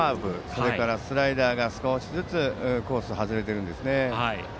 それからスライダーが少しずつコースを外れてますね。